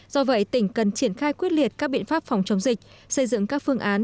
do vậy tỉnh cần triển khai quyết liệt các biện pháp phòng chống dịch xây dựng các phương án